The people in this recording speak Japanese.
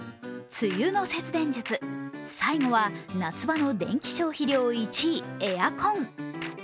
梅雨の節電術、最後は夏場の電気消費量１位、エアコン。